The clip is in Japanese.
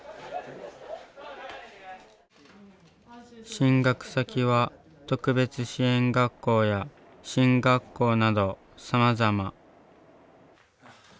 進学先は特別支援学校や進学校などさまざま。